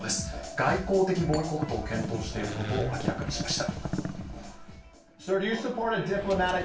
外交的ボイコットを検討していることを明らかにしました。